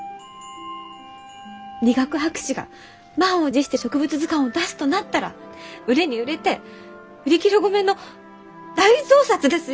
理学博士が満を持して植物図鑑を出すとなったら売れに売れて売り切れ御免の大増刷ですよ！